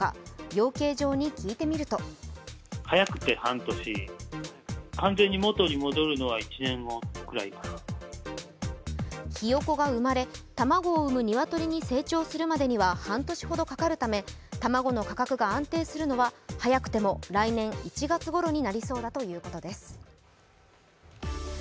養鶏場に聞いてみるとひよこが生まれ、卵を産む鶏に成長するまでには半年ほどかかるため卵の価格が安定するのは早くても来年１月ごろになりそうだということです。